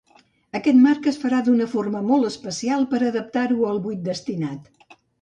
Aquest marc es farà d'una forma molt especial per adaptar-ho al buit destinat.